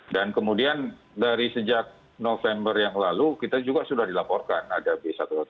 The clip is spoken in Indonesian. dan kemudian dari sejak november yang lalu kita juga sudah dilaporkan ada b satu satu tujuh